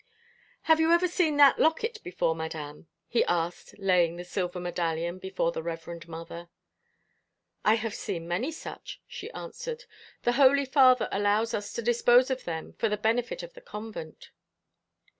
"Have you ever seen that locket before, madame?" he asked, laying the silver medallion before the Reverend Mother. "I have seen many such," she answered. "The Holy Father allows us to dispose of them for the benefit of the convent."